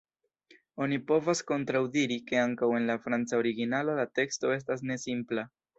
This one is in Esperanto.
Oni povas kontraŭdiri, ke ankaŭ en la franca originalo la teksto estas ne simpla.